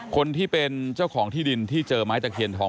คนที่เป็นเจ้าของที่ดินที่เจอไม้ตะเคียนทอง